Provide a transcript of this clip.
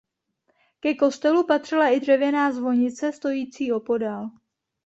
Ke kostelu patřila i dřevěná zvonice stojící opodál.